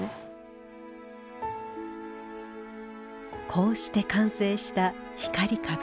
こうして完成した光壁。